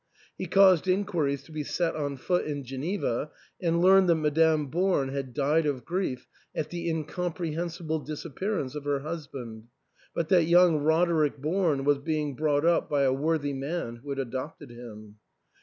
He caused inquiries to be set on foot in Geneva, and learned that Madame Born had died of grief at the incomprehensible disappearance of her hus band, but that young Roderick Born was being brought up by a worthy man who had adopted him.